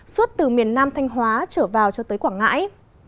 suốt từ miền nam thanh hóa trở vào cho tới quảng ngãi